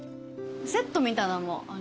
セットみたいなのも。